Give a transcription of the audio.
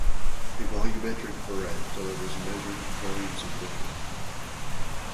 A volumetric burette delivers measured volumes of liquid.